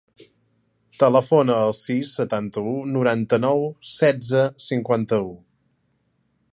Telefona al sis, setanta-u, noranta-nou, setze, cinquanta-u.